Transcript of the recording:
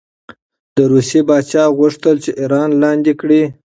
د روسیې پاچا غوښتل چې ایران لاندې کړي.